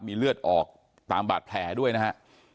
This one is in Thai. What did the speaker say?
มีเลือดออกตามบาดแผลด้วยนะฮะ